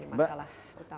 apa yang masalah